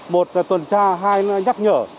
một là tuần tra hai là nhắc nhở